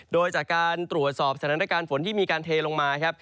โดยจากการตรวจสอบสถานการณ์ฝนที่มีการเทลงมาครับ